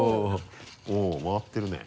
おぉ回ってるね。